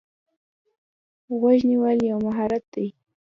غوږ نیول یو مهارت دی.